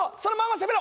攻めろ！